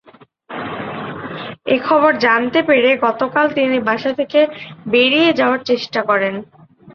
এ খবর জানতে পেরে গতকাল তিনি বাসা থেকে বেরিয়ে যাওয়ার চেষ্টা করেন।